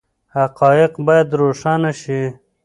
حقایق باید روښانه شي.